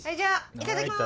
いただきます。